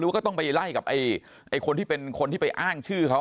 ก็ต้องไปไล่กับคนที่เป็นคนที่ไปอ้างชื่อเขา